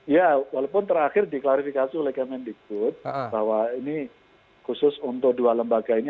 ya walaupun terakhir diklarifikasi oleh kemendikbud bahwa ini khusus untuk dua lembaga ini